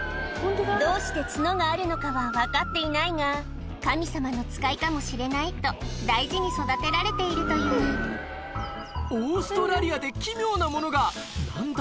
どうして角があるのかは分かっていないが神様の使いかもしれないと大事に育てられているというオーストラリアで奇妙なものが何だ？